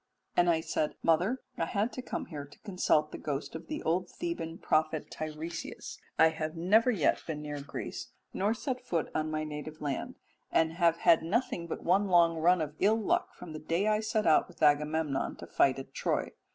"And I said, 'Mother, I had to come here to consult the ghost of the old Theban prophet Teiresias, I have never yet been near Greece, nor set foot on my native land, and have had nothing but one long run of ill luck from the day I set out with Agamemnon to fight at Troy.